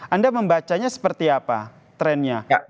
anda membacanya seperti apa trennya